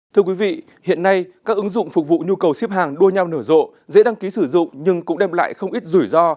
thưa quý vị hiện nay các ứng dụng phục vụ nhu cầu ship hàng đua nhau nở rộ dễ đăng ký sử dụng nhưng cũng đem lại không ít rủi ro